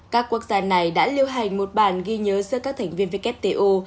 các quốc gia này đã liêu hành một bản ghi nhớ cho các thành viên wto